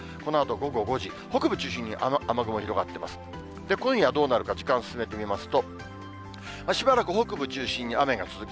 今夜どうなるか、時間進めてみますと、しばらく北部中心に雨が続く。